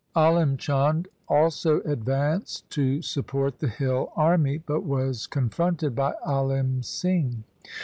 Alim Chand also advanced to support the hill army, but was con fronted by Alim Singh.